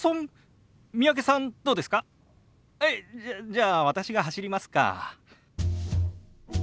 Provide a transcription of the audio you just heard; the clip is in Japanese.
じゃあ私が走りますか。